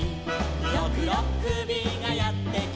「ろくろっくびがやってきた」